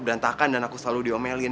berantakan dan aku selalu diomelin